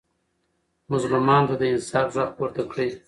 مظلومانو ته د انصاف غږ پورته کړئ.